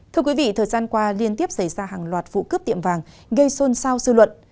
thưa quý vị thời gian qua liên tiếp xảy ra hàng loạt vụ cướp tiệm vàng gây xôn xao dư luận